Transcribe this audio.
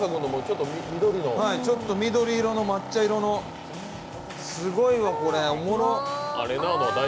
ちょっと緑色の抹茶色の、すごいわこれ、おもろい。